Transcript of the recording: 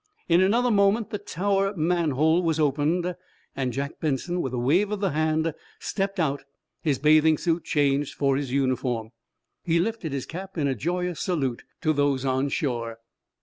In another moment the tower manhole was opened, and Jack Benson, with a wave of the hand, stepped out, his bathing suit changed for his uniform. He lifted his cap in a joyous salute to those on shore.